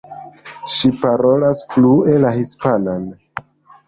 Ŝi parolas flue la hispanan.